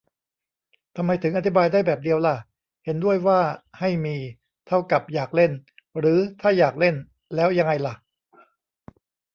ทำไมถึงอธิบายได้แบบเดียวล่ะ เห็นด้วยว่าให้มี เท่ากับ อยากเล่น ? หรือ ถ้าอยากเล่น แล้วยังไงล่ะ ?